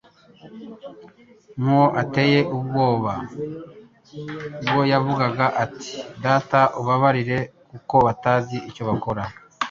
nk'uwo uteye ubwoba, ubwo yavugaga ati : «Data ubabarire kuko batazi icyo bakora.'»